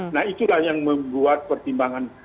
nah itulah yang membuat pertimbangan